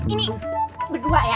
ini berdua ya